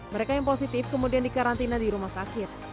mereka yang positif kemudian dikarantina di rumah sakit